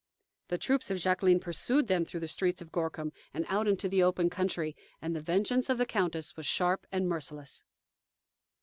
The troops of Jacqueline pursued them through the streets of Gorkum and out into the open country, and the vengeance of the countess was sharp and merciless.